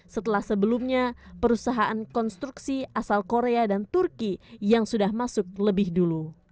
setelah sebelumnya perusahaan konstruksi asal korea dan turki yang sudah masuk lebih dulu